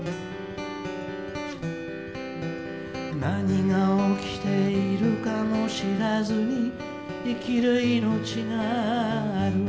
「何が起きているかも知らずに生きる生命がある」